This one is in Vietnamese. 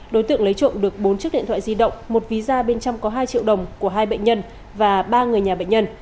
đối tượng lấy trộm được bốn chiếc điện thoại di động một ví da bên trong có hai triệu đồng của hai bệnh nhân và ba người nhà bệnh nhân